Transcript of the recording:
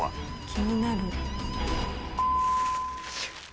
「気になる」